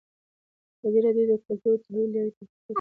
ازادي راډیو د کلتور د تحول لړۍ تعقیب کړې.